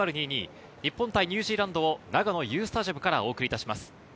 日本対ニュージーランドを長野Ｕスタジアムからお送りします。